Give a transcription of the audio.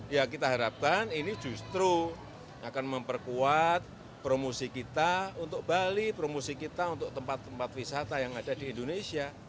ya kita harapkan ini justru akan memperkuat promosi kita untuk bali promosi kita untuk tempat tempat wisata yang ada di indonesia